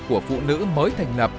của phụ nữ mới thành lập